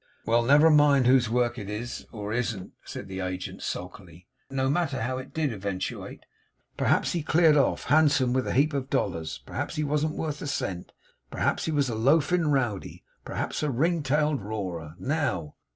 'Well, never mind whose work it is, or isn't,' said the agent sulkily. 'No matter how it did eventuate. P'raps he cleared off, handsome, with a heap of dollars; p'raps he wasn't worth a cent. P'raps he was a loafin' rowdy; p'raps a ring tailed roarer. Now!